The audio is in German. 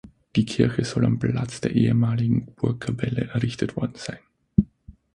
Die Kirche soll am Platz der ehemaligen Burgkapelle errichtet worden sein.